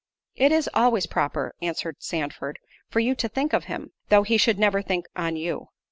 "It is always proper," answered Sandford, "for you to think of him, though he should never think on you."